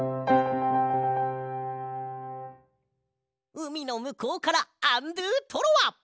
うみのむこうからアンドゥトロワ！